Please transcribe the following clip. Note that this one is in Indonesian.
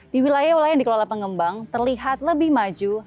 di wilayah wilayah yang dikelola pengembang terlihat lebih maju